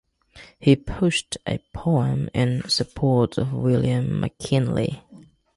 He published a poem in support of William McKinley.